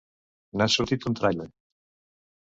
N'ha sortit un tràiler.